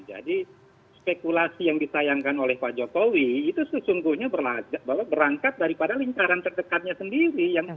jadi spekulasi yang disayangkan oleh pak jokowi itu sesungguhnya berangkat daripada lingkaran terdekatnya sendiri